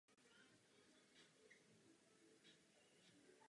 Snad bude návrh Komise při nadcházejících jednáních mírně vylepšen.